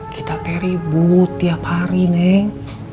kita keribut tiap hari neng